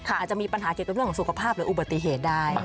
อาจจะมีปัญหาเกี่ยวกับเรื่องของสุขภาพหรืออุบัติเหตุได้